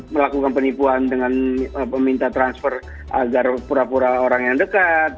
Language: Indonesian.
melakukan penipuan dengan meminta transfer agar pura pura orang yang dekat